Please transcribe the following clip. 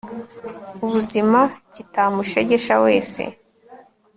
ubuzima kitamushegesha wese